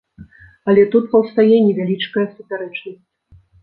Але тут паўстае невялічкая супярэчнасць.